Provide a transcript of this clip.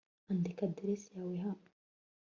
andika aderesi yawe hano